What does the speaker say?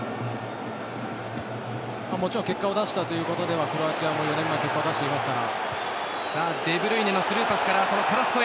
もちろん結果を出しているという意味ではクロアチアも４年前結果を出していますから。